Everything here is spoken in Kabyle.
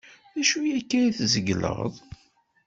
D acu akka ay tzegleḍ?